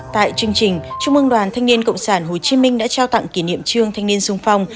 tại chương trình trung ương đoàn thanh niên cộng sản hồ chí minh đã trao tặng kỷ niệm trương thanh niên sung phong